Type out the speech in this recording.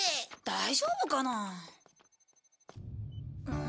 大丈夫かな？